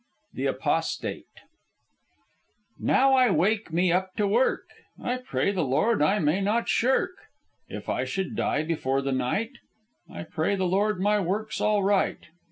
THE APOSTATE "Now I wake me up to work; I pray the Lord I may not shirk. If I should die before the night, I pray the Lord my work's all right.